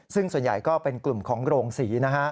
ซึ่งส่วนใหญ่ก็เป็นกลุ่มของโรงศรีนะฮะ